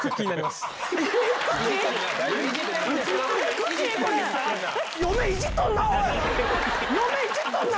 すごい。嫁、いじっとんな！